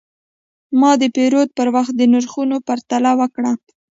ما د پیرود پر وخت د نرخونو پرتله وکړه.